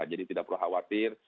jadi tidak perlu khawatir